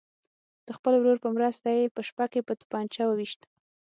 د خپل ورور په مرسته یې په شپه کې په توپنچه ویشت.